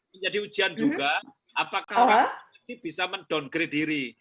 menjadi ujian juga apakah orang ini bisa mendowngrade diri